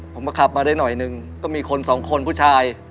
มาขับมาได้หน่อยหนึ่งก็มีคนสองคนผู้ชาย